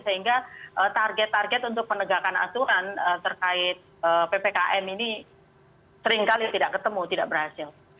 sehingga target target untuk penegakan aturan terkait ppkm ini seringkali tidak ketemu tidak berhasil